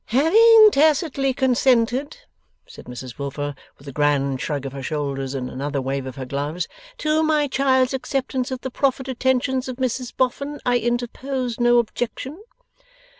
'Having tacitly consented,' said Mrs Wilfer, with a grand shrug of her shoulders, and another wave of her gloves, 'to my child's acceptance of the proffered attentions of Mrs Boffin, I interpose no objection.